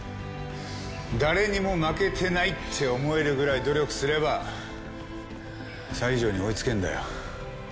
誰にも負けてないって思えるぐらい努力すれば西条に追いつけるんだよ。